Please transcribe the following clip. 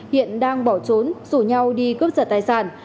hiện đang bỏ trốn rủ nhau đi cướp giật tài sản